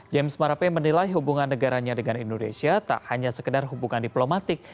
james marape menilai hubungan negaranya dengan indonesia tak hanya sekedar hubungan diplomatik